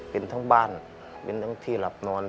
เป็นทั้งบ้านเป็นทั้งที่หลับนอน